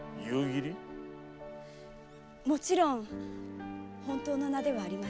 もちろん本当の名ではありません。